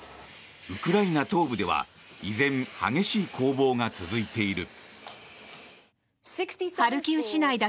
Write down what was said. ウクライナ東部では依然、激しい攻防が続いている。